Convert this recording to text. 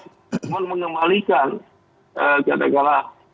cuman mengembalikan katakanlah